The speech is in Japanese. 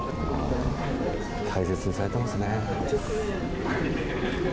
大切にされてますね。